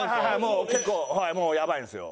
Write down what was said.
もう結構もうやばいんですよ。